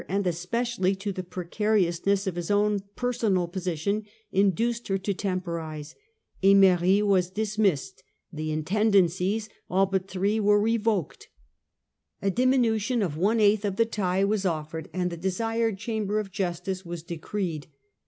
an( j especially to the precariousness of his personal position, induced her to temporise. Emery was dismissed. The Intendancies, all but three, were re voked. A diminution of one eighth of the taille was offered, and the desired Chamber of Justice was decreed.